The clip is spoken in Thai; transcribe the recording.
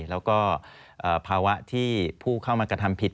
แล้วก็ภาวะที่ผู้เข้ามากระทำผิด